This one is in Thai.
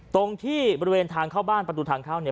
ตรงที่บริเวณทางเข้าบ้านประตูทางเข้าเนี่ย